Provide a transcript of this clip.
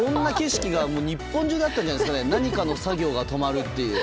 日本中であったんじゃないですか何かの作業が止まるって。